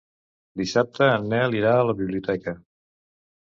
Dissabte en Nel irà a la biblioteca.